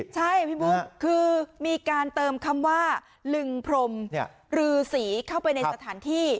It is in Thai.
ใช่พี่บุ๊คคือมีการเติมคำว่าลึงพรมรือสีเข้าไปในสถานที่